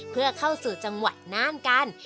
เพื่อเข้าสู่จังหวัดน่านกัน